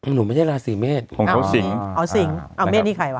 หนูไม่ได้ราศีเมษของเขาสิงอ๋อสิงเอาเมฆนี่ใครวะ